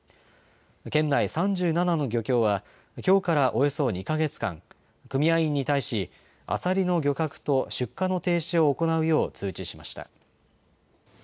県内３７の漁協は、きょうからおよそ２か月間、組合員に対し、アサリの漁獲と出荷の停止を行うよう、通知しました。